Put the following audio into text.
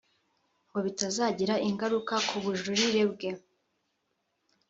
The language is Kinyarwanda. ngo bitazagira ingaruka ku bujurire bwe